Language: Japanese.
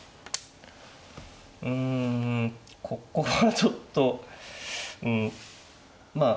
うんここはちょっとうんまあ